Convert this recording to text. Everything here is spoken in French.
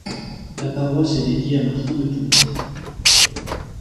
La paroisse est dédiée à Martin de Tours.